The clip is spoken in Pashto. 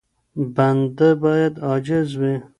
بنده بايد عاجز وي.